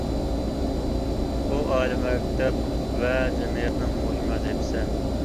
ئۇ ئائىلە، مەكتەپ ۋە جەمئىيەتنىڭ مۇھىم ۋەزىپىسى.